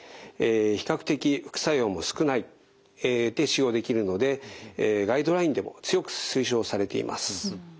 比較的副作用も少ないで使用できるのでガイドラインでも強く推奨されています。